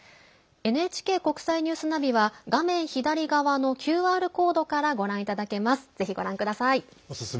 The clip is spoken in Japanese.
ＮＨＫ国際ニュースナビは画面左側のＱＲコードからご覧いただけます。